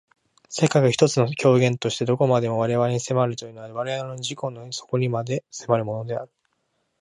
世界が一つの表現として何処までも我々に迫るというのは我々の自己の底にまで迫るのである。